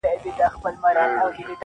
• په ماښام وو په هګیو نازولی -